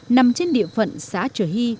nằm trên địa phận xã trời hy